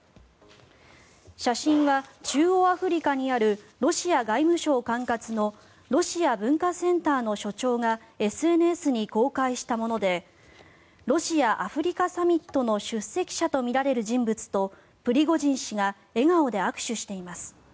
写真は中央アフリカにあるロシア外務省管轄のロシア文化センターの所長がＳＮＳに公開したものでロシア・アフリカサミットの出席者とみられる人物とプリゴジン氏が笑顔で握手しています。